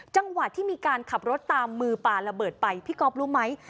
จังหวะที่มีการขับรถตามมือปลาระเบิดไปพี่ก๊อฟรู้ไหม